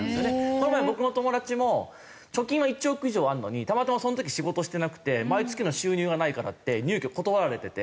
この前僕の友達も貯金は１億以上あるのにたまたまその時仕事してなくて毎月の収入がないからって入居断られてて。